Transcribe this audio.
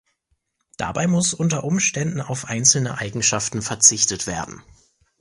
Dabei muss unter Umständen auf einzelne Eigenschaften verzichtet werden.